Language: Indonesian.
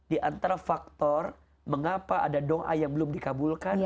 di antara faktor mengapa ada doa yang belum dikabulkan